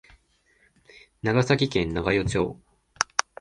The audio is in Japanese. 長崎県長与町